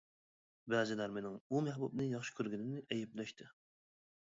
بەزىلەر مېنىڭ ئۇ مەھبۇبنى ياخشى كۆرگىنىمنى ئەيىبلەشتى.